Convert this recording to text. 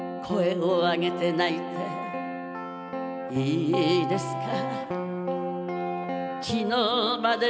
「声をあげて泣いていいですか」